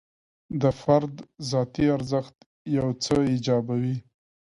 د فرد ذاتي ارزښت یو څه ایجابوي.